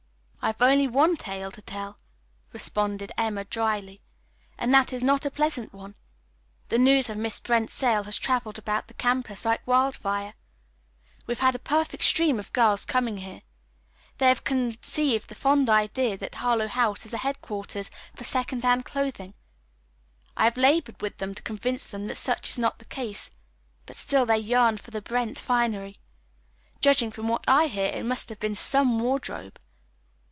"I've only one tale to tell," responded Emma dryly, "and that is not a pleasant one. The news of Miss Brent's sale has traveled about the campus like wildfire. We've had a perfect stream of girls coming here. They have conceived the fond idea that Harlowe House is a headquarters for second hand clothing. I have labored with them to convince them that such is not the case, but still they yearn for the Brent finery. Judging from what I hear, it must have been 'some' wardrobe.